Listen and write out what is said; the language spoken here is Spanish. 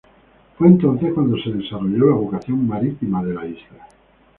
Fue entonces cuando se desarrolló la vocación marítima de la isla.